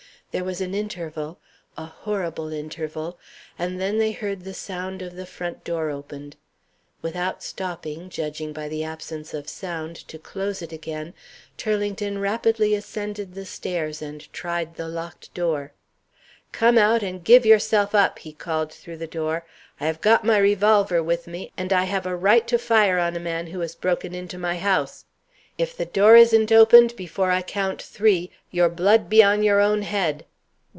There was an interval a horrible interval and then they heard the front door opened. Without stopping (judging by the absence of sound) to close it again, Turlington rapidly ascended the stairs and tried the locked door. "Come out, and give yourself up!" he called through the door. "I have got my revolver with me, and I have a right to fire on a man who has broken into my house. If the door isn't opened before I count three, your blood be on your own head.